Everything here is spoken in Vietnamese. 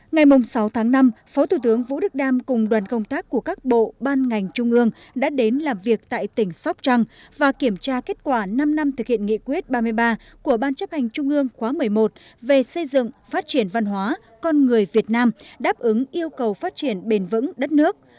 ngày sáu tháng năm phó thủ tướng vũ đức đam cùng đoàn công tác của các bộ ban ngành trung ương đã đến làm việc tại tỉnh sóc trăng và kiểm tra kết quả năm năm thực hiện nghị quyết ba mươi ba của ban chấp hành trung ương khóa một mươi một về xây dựng phát triển văn hóa con người việt nam đáp ứng yêu cầu phát triển bền vững đất nước